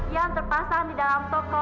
yang terpasang di dalam toko